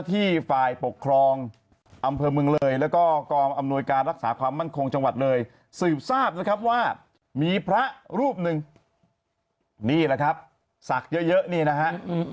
นี่แหละครับศักดิ์เยอะนี่นะฮะ